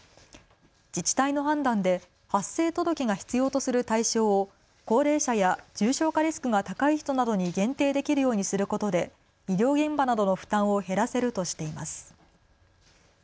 自治体の判断で発生届が必要とする対象を、高齢者や重症化リスクが高い人などに限定できるようにすることで医療現場などの負担を減らせるとしています。